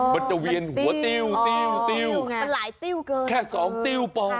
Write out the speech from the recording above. มันจะเวียนหัวติ้วแค่๒ติ้วพอ